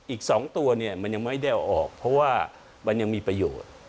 อีก๒ตัวเนี่ยมันยังไม่ได้เอาออกเพราะว่ามันยังมีประโยชน์